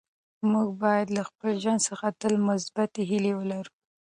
موږ باید له خپل ژوند څخه تل مثبتې هیلې ولرو.